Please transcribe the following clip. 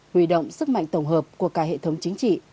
huy động sức mạnh tổng hợp của cả hệ thống chính trị